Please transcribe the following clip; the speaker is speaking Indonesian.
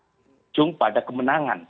berhubung pada kemenangan